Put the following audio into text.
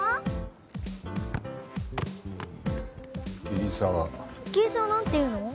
桐沢なんていうの？